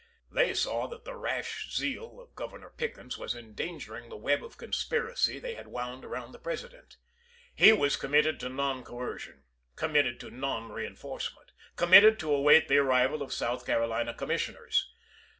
They saw that the rash zeal of Governor Pickens was endangering the web of conspiracy they had wound around the Presi dent. He was committed to non coercion; com mitted to non reenforcement ; committed to await the arrival of South Carolina commissioners.